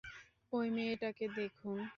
ঐ মেয়েটাকে দেখুন।